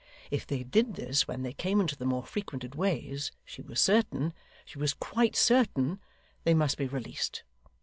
If they did this when they came into the more frequented ways, she was certain she was quite certain they must be released.